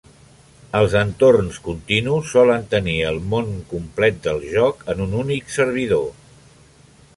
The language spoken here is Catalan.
Els entorns continus solen tenir el món complet del joc en un únic servidor.